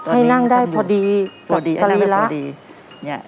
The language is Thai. ให้นั่งได้พอดีตรีละ